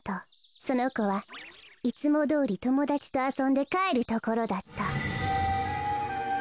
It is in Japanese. そのこはいつもどおりともだちとあそんでかえるところだった。